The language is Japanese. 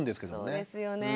そうですよね。